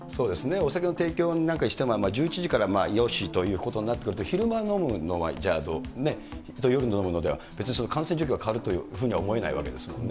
お酒の提供なんかにしても１１時からはよしということになってると、昼間飲むのはじゃあ、どう、夜飲むのでは、別に感染状況が変わるとは思えないわけですもんね。